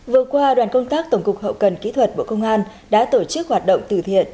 vừa qua đoàn công tác tổng cục hậu cần kỹ thuật bộ công an đã tổ chức hoạt động từ thiện